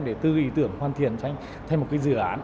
để tư ý tưởng hoàn thiện thành một dự án